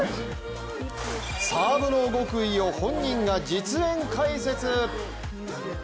サーブの極意を本人が実演解説。